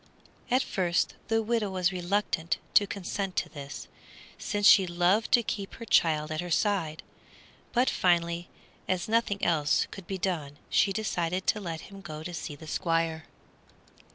At first the widow was reluctant to consent to this, since she loved to keep her child at her side, but finally, as nothing else could be done, she decided to let him go to see the Squire.